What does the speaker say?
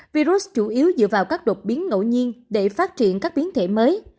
virus chủ yếu dựa vào các đột biến ngẫu nhiên để phát triển các biến thể mới